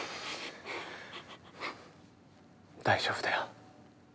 大丈夫だよ。